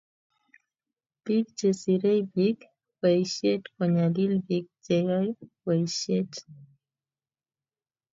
Biik chesirei biik boisiet konyalili biik cheyoe boishiet